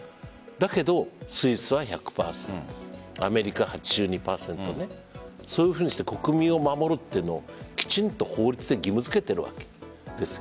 だけどスイスは１００％アメリカ８２％国民を守ろうというのをきちんと法律で義務付けているわけです。